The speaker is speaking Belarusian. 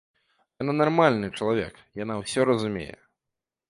Яна нармальны чалавек, яна ўсё разумее.